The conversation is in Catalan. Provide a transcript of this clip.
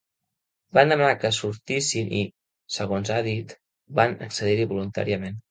Van demanar que sortissin i, segons que ha dit, ‘van accedir-hi voluntàriament’.